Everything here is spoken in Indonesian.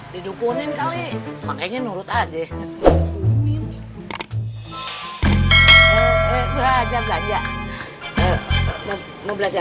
didukungin kali makanya nurut aja